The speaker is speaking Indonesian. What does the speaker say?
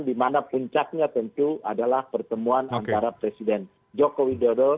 di mana puncaknya tentu adalah pertemuan antara presiden joko widodo